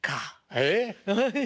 えっ？